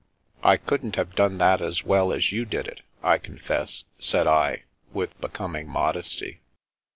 " I couldn't have done that as well as you did it, I confess," said I, with becoming modesty.